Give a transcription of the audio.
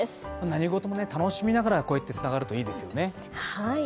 何事も楽しみながらこうやってつながるといいですよね。